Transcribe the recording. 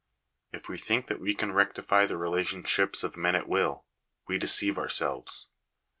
If we think that we can rectify the relationships of men at will, we deceive ourselves.